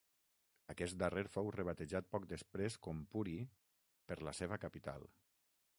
Aquest darrer fou rebatejat poc després com Puri per la seva capital.